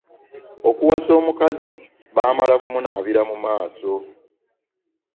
Okuwasa omukazi baamala kumunaabira mu maaso.